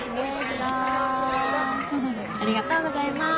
ありがとうございます。